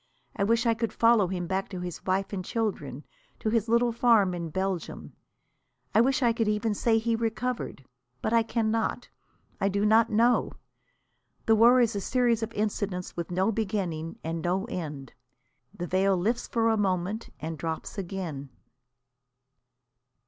I wish I could follow him back to his wife and children, to his little farm in Belgium. I wish I could even say he recovered. But I cannot. I do not know. The war is a series of incidents with no beginning and no end. The veil lifts for a moment and drops again.